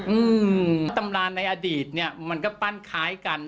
อืมตำราในอดีตเนี้ยมันก็ปั้นคล้ายกัน